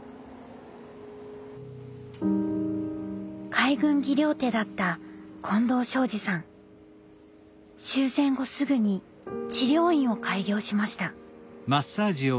海軍技療手だった終戦後すぐに治療院を開業しました。